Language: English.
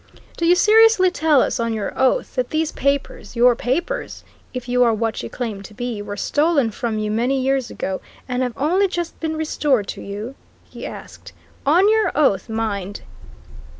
"Do you seriously tell us, on your oath, that these papers your papers, if you are what you claim to be were stolen from you many years ago, and have only just been restored to you?" he asked. "On your oath, mind!"